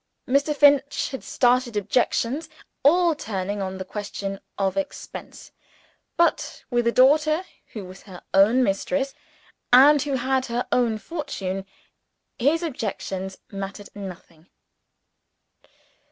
Mr. Finch had started objections, all turning on the question of expense. But with a daughter who was her own mistress, and who had her own fortune, his objections mattered nothing.